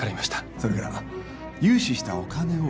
それから融資したお金を